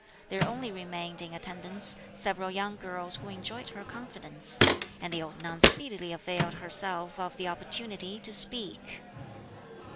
There only remained in attendance several young girls who enjoyed her confidence, and the old nun speedily availed herself of the opportunity to speak.